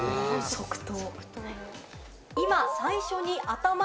即答。